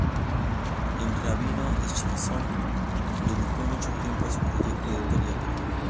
El Rabino Schneerson dedicó mucho tiempo a su proyecto editorial.